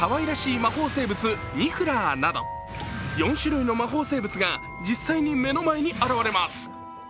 魔法生物・ニフラーなど４種類の魔法生物が実際に目の前に現れます。